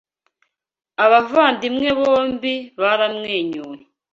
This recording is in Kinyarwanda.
Abavandimwe bombi baramwenyuye.